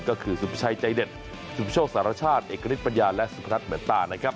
ก็คือสุภาชัยใจเด็ดสุมโชคสารชาติเอกณิตปัญญาและสุพนัทเหมือนตานะครับ